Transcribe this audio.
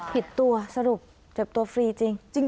ผิดตัวสรุปเจ็บตัวฟรีจริง